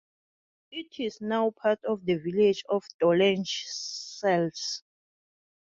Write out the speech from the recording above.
It is now part of the village of Dolenje Selce.